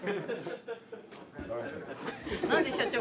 何で社長